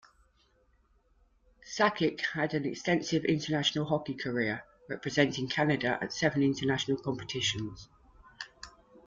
Sakic had an extensive international hockey career, representing Canada at seven international competitions.